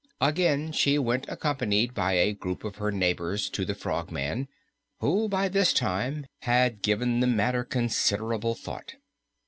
Again she went, accompanied by a group of her neighbors, to the Frogman, who by this time had given the matter considerable thought.